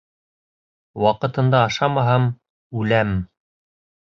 Ваҡытында ашамаһам, үләм!